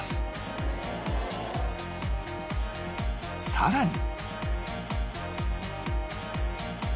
さらに